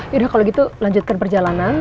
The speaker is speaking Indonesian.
yaudah kalau gitu lanjutkan perjalanan